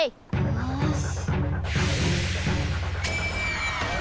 よし！